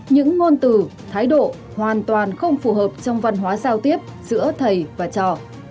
những ngôn từ thái độ hoàn toàn không phù hợp trong văn hóa giao tiếp giữa thầy và trò